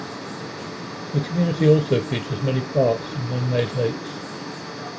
The community also features many parks and man-made lakes.